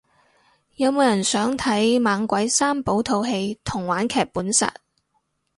有冇人想睇猛鬼三寶套戲同玩劇本殺